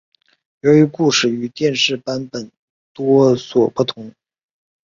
由于故事与电视版多所不同。